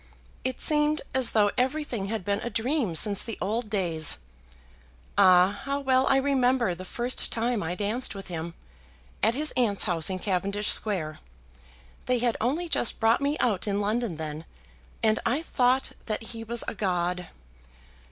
It seemed as though everything had been a dream since the old days. Ah! how well I remember the first time I danced with him, at his aunt's house in Cavendish Square. They had only just brought me out in London then, and I thought that he was a god."